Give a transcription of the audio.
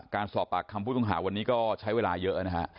การสอบปากคำผู้ต้องหาวันนี้ก็ใช้เวลาเยอะนะฮะ